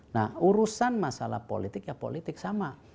nah urusan masalah politik ya politik sama